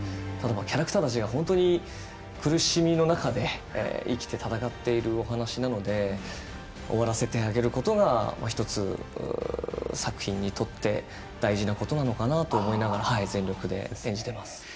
ただキャラクターたちが本当に苦しみの中で生きて戦っているお話なので終わらせてあげることが一つ作品にとって大事なことなのかなと思いながら全力で演じてます。